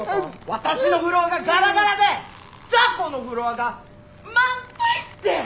私のフロアがガラガラで雑魚のフロアが満杯って！